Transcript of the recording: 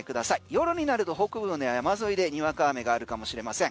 夜になると北部の山沿いでにわか雨があるかもしれません。